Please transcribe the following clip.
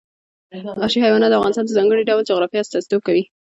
وحشي حیوانات د افغانستان د ځانګړي ډول جغرافیه استازیتوب کوي.